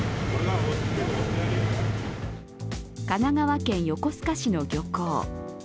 神奈川県横須賀市の漁港。